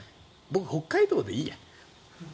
僕、北海道でいいや。